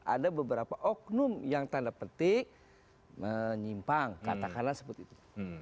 ada beberapa oknum yang tanda petik menyimpang katakanlah seperti itu